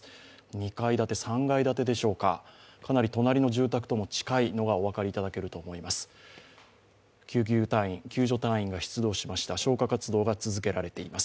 ２階建て、３階建てでしょうか、かなり隣の住宅とも近いのがお分かりいただけると思います。